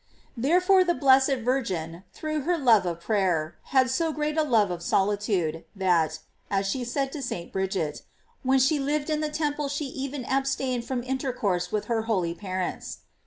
* Therefore the blessed Virgin, through her love of prayer, had so great a love of solitude, that, as she said to St. Bridget, when she lived in the temple she even abstained from intercourse •with her holy parents.